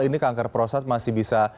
ini kanker prostat masih bisa